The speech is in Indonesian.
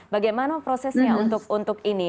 bagaimana prosesnya untuk ini